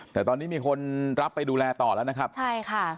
แต่ตอนนี้มีคนรับไปดูแลต่อแล้วนะครับใช่ค่ะ